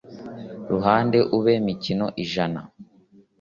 ruhande ube mikono ijana